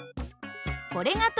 これが等